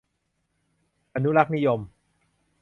อนุรักษ์นิยม